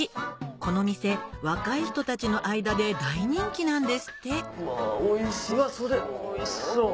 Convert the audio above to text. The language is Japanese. この店若い人たちの間で大人気なんですっておいしそう。